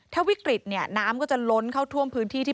ถ้าวิกฤตน้ำก็จะล้นเข้าท่วมพื้นที่